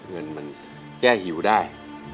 เงินมันแก้หิวได้